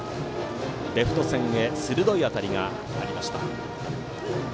レフト線へ鋭い当たりがありました。